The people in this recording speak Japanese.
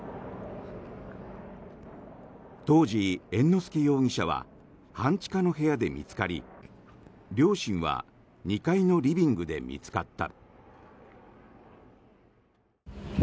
当時、猿之助容疑者は半地下の部屋で見つかり両親は２階のリビングで見つかった。